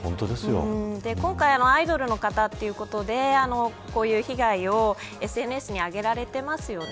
今回はアイドルの方ということでこういう被害をＳＮＳに挙げられていますよね。